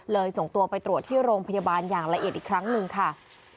ส่งตัวไปตรวจที่โรงพยาบาลอย่างละเอียดอีกครั้งหนึ่งค่ะ